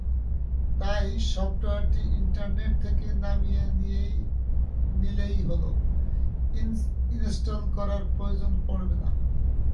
তাই সফটওয়্যারটি ইন্টারনেট থেকে নামিয়ে নিলেই হলো, ইনস্টল করার প্রয়োজন পড়বে না।